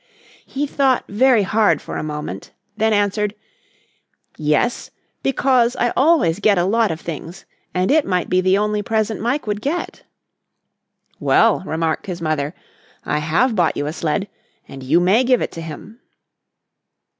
He thought very hard for a moment, then answered: "Yes, because I always get a lot of things and it might be the only present Mike would get." "Well," remarked his mother, "I have bought you a sled, and you may give it to him."